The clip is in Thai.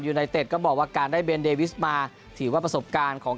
ไนเต็ดก็บอกว่าการได้เบนเดวิสมาถือว่าประสบการณ์ของ